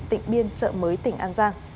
tỉnh biên chợ mới tỉnh an giang